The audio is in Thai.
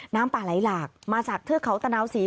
น้ำป่าไหลหลากมาจากเทือกเขาตะนาวศรี